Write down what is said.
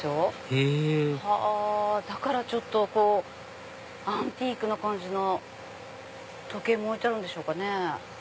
へぇだからちょっとアンティークな感じの時計も置いてあるんでしょうかね。